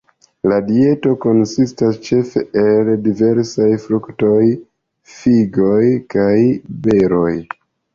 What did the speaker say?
La dieto konsistas ĉefe el diversaj fruktoj, figoj kaj beroj.